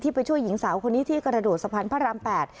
ไปช่วยหญิงสาวคนนี้ที่กระโดดสะพานพระราม๘